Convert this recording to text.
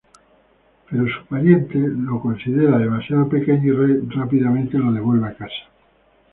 Pero su pariente, lo considera demasiado pequeño y rápidamente lo devuelve a casa.